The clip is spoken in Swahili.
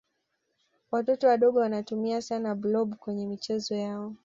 watoto wadogo wanamtumia sana blob kwenye michezo yao